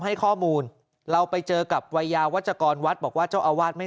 ให้ข้อมูลเราไปเจอกับวัยยาวัชกรวัดบอกว่าเจ้าอาวาสไม่